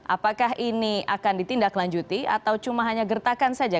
apakah ini akan ditindaklanjuti atau cuma hanya gertakan saja